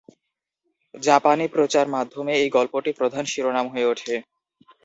জাপানি প্রচার মাধ্যমে এই গল্পটি প্রধান শিরোনাম হয়ে ওঠে।